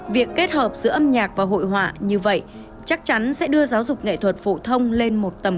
việc kết hợp giữa âm nhạc và hội họa như vậy chắc chắn sẽ đưa giáo dục nghệ thuật phổ thông lên một tầm